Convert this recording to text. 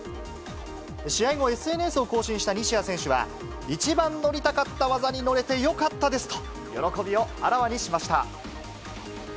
試合後、ＳＮＳを更新した西矢選手は、一番乗りたかった技に乗れてよかったですと、喜びをあらわにしました。